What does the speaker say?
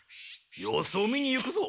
様子を見に行くぞ。